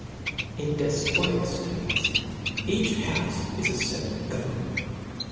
In defpotic ftates, each houfe is a feparate govern ment.